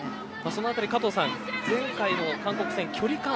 そのあたり加藤さん、前回の韓国戦距離感